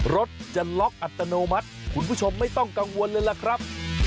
รถจะล็อกอัตโนมัติคุณผู้ชมไม่ต้องกังวลเลยล่ะครับ